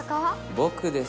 僕です。